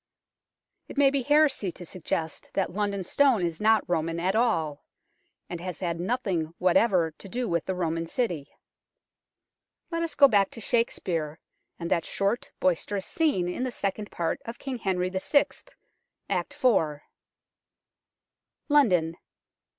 It may be heresy to suggest that London Stone is not Roman at all, and has had nothing whatever to do with the Roman city. Let us go back to Shakespeare, and that short, boisterous scene in the Second Part of King Henry VI., Act iv. London.